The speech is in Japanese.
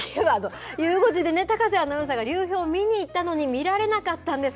ゆう５時で高瀬アナが流氷見に行ったのに、見られなかったんです。